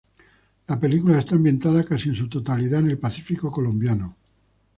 La película está ambientada casi en su totalidad en el pacífico colombiano.